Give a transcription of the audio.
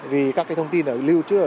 vì các thông tin lưu trữ ở đây